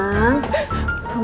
kamu cerita sama ibu ada apa